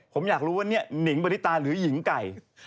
ผมอยากรู้ว่านี่หนิงบริตาหรือหญิงไก่